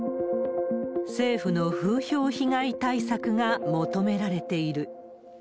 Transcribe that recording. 政府の風評被害対策が求められている。